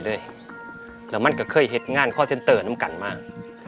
แล้วมันก็เคยเห็นงานคอร์เซ็นเตอร์น้ำกันมาก